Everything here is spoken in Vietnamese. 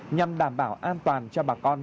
nhằm đảm bảo an toàn cho bà con